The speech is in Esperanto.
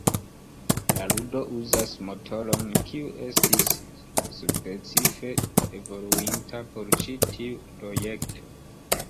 La ludo uzas motoron kiu estis specife evoluinta por ĉi tiu projekto.